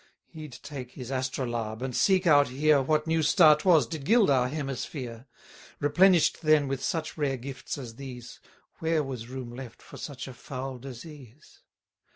He'd take his astrolabe, and seek out here What new star 'twas did gild our hemisphere. Replenish'd then with such rare gifts as these, Where was room left for such a foul disease?